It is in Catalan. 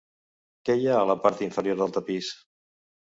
Què hi ha a la part inferior del Tapís?